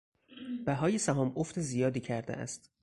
بهای سهام افت زیادی کرده است.